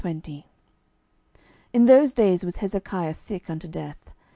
12:020:001 In those days was Hezekiah sick unto death.